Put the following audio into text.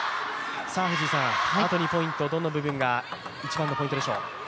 あと２ポイント、どの部分が一番のポイントでしょうか？